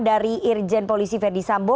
dari irjen polisi verdi sambo